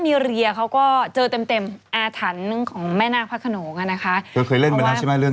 อีกหนึ่งอันคุณนัสมีเรีย